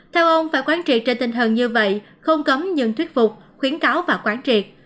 theo ông phải quán trị trên tinh thần như vậy không cấm nhưng thuyết phục khuyến cáo và quán triệt